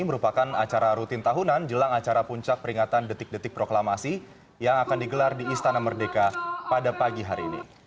merupakan acara rutin tahunan jelang acara puncak peringatan detik detik proklamasi yang akan digelar di istana merdeka pada pagi hari ini